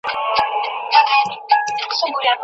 زه د لوستلو لپاره ګډون کړی یم.